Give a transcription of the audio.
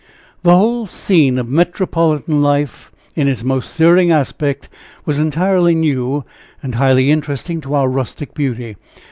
The whole scene of metropolitan life, in its most stirring aspect, was entirely new and highly interesting to our rustic beauty.